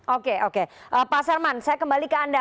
oke oke pak sarman saya kembali ke anda